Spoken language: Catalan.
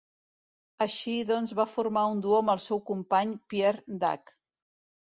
Així doncs va formar un duo amb el seu company, Pierre Dac.